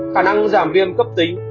khả năng giảm viêm cấp tính